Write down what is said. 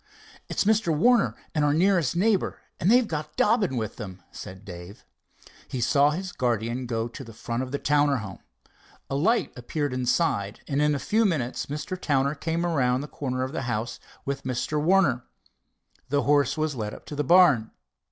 "It's Mr. Warner and our nearest neighbor, and they've got old Dobbin with them," said Dave. He saw his guardian go to the front of the Towner home. A light appeared inside, and in a few minutes Mr. Towner came around the corner of the house with Mr. Warner. The horse was led up to the barn.